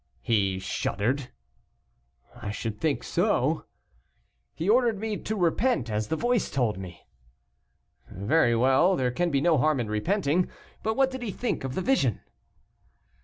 "He shuddered." "I should think so." "He ordered me to repent, as the voice told me." "Very well. There can be no harm in repenting. But what did he think of the vision?"